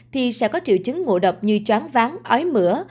thì sẽ có triệu chứng ngộ độc như choán ván ói mửa